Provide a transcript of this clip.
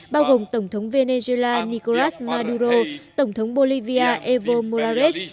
bao gồm tổng thống venezuela nicolas maduro tổng thống bolivia evo morales